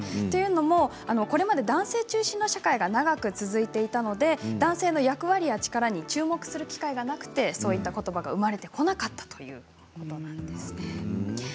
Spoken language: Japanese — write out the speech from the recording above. というのもこれまで男性中心の社会が長く続いていたので男性の役割や力に注目する機会がなくてそういったことばが生まれてこなかったということなんですね。